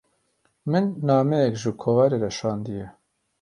min nameyek ji kovarê re şandiye.